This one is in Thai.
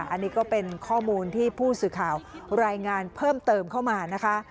อันนี้ก็เป็นข้อมูลที่ผู้สื่อข่าวรายงานเพิ่มเติมเข้ามานะคะ